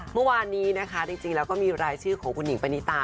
เมื่อวานนี้นะคะจริงแล้วก็มีรายชื่อของคุณหิงปณิตา